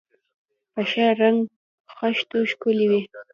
په ښه رنګ خښتو ښکلي و.